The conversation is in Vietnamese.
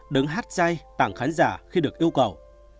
đứng hát dây tặng khán giả khi được yêu cầu